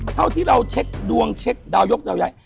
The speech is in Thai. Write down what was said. เท่าที่เราเช็คดวงเช็คดาวยกดาวย้าย